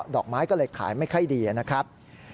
ดอกไม้ก็เลยขายไม่ค่อยดีนะครับ